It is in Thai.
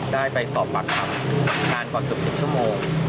ได้ไปสอบปรับคำนานกว่า๑๐ชั่วโมง